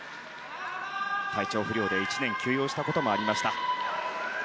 体調不良で１年休養したこともありました。